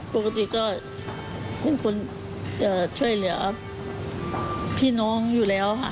ปกติก็เป็นคนช่วยเหลือพี่น้องอยู่แล้วค่ะ